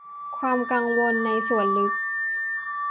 ความกังวลในส่วนลึก